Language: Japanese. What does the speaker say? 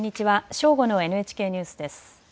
正午のＮＨＫニュースです。